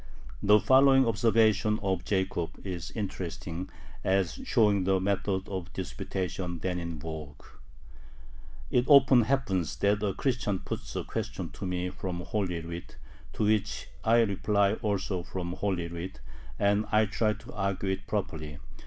The following observation of Jacob is interesting as showing the methods of disputation then in vogue: It often happens that a Christian puts a question to me from Holy Writ, to which I reply also from Holy Writ, and I try to argue it properly.